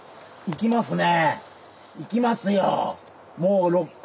いきますね！